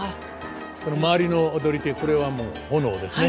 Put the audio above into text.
周りの踊り手これは炎ですね。